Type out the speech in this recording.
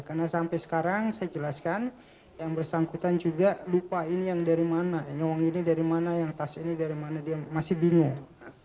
karena sampai sekarang saya jelaskan yang bersangkutan juga lupa ini yang dari mana yang uang ini dari mana yang tas ini dari mana dia masih bingung